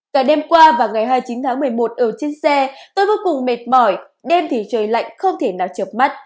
cả đêm qua và ngày hai mươi chín tháng một mươi một ở trên xe tôi vô cùng mệt mỏi đêm thì trời lạnh không thể nào chập mắt